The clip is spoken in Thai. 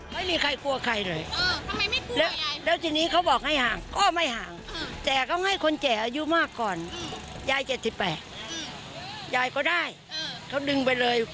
ไม่มีใครกลัวใครเลย